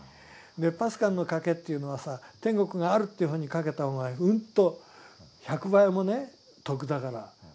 「パスカルの賭け」というのはさ天国があるという方に賭けた方がうんと１００倍もね得だから私は賭けたっていう。